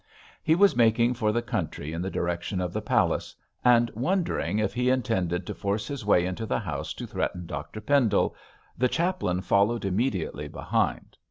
He was making for the country in the direction of the palace, and wondering if he intended to force his way into the house to threaten Dr Pendle, the chaplain followed immediately behind.